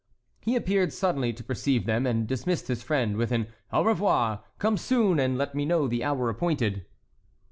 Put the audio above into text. He appeared suddenly to perceive them, and dismissed his friend with an "Au revoir! come soon and let me know the hour appointed."